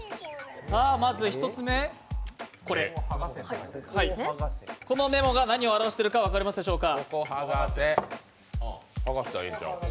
まず１つ目、このメモが何を表しているか分かりますでしょうか？